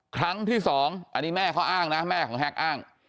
ครั้งที่สองอันนี้แม่เขาอ้างนะแม่ของแฮกอ้าง